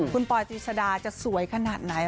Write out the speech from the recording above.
คุณปอยตีชดาจะสวยขนาดไหน